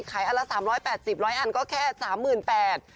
ขายอันละ๓๘๐อันก็แค่๓๘๐๐๐บาท